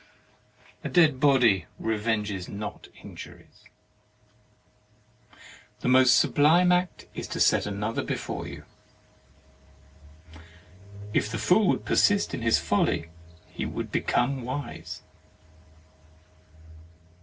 A dead body revenges not injuries. The most sublime act is to set an other before you. If the fool would persist in his folly he would become wise.